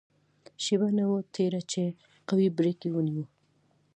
شېبه نه وه تېره چې قوي بریک یې ونیو.